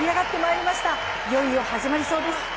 いよいよ始まりそうです。